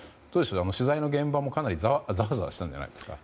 取材の現場もかなりざわざわしたんじゃないですか？